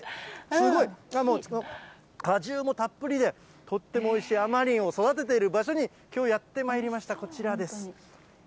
すごい、果汁もたっぷりで、とってもおいしいあまりんを育てている場所に、きょう、やってまいりました、こちらです。